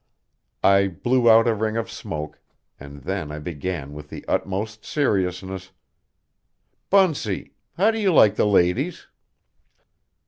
I blew out a ring of smoke, and then I began with the utmost seriousness: "Bunsey, how do you like the ladies?"